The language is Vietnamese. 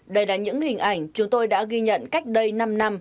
đây là những hình ảnh chúng tôi đã ghi nhận cách đây năm năm